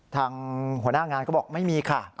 ทางหัวหน้างานก็บอกไม่มีค่ะ